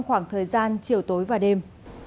khoảng thời gian chiều tối và đêm